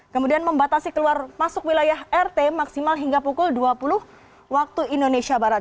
kemudian membatasi keluar masuk wilayah rt maksimal hingga pukul dua puluh waktu indonesia barat